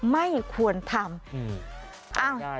ไม่ควรทำ